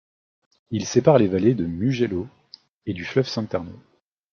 Il sépare les vallées de Mugello et du fleuve Santerno.